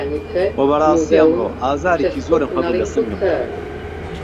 وە بەڕاستی ئەمڕۆ ئازارێکی زۆرم هەبوو لە سنگمدا